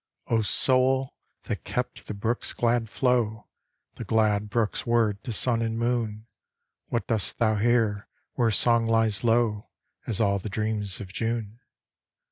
O soul, that kept the brook's glad flow, The glad brook's word to sun and moon, What dost thou here where song lies low As all the dreams of June?